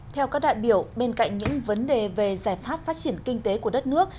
theo các đại biểu bên cạnh những vấn đề về giải pháp phát triển kinh tế của đất nước